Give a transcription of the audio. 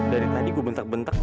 dari tadi gue bentak bentak